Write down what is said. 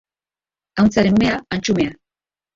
Ahuntzaren umea, antxumea.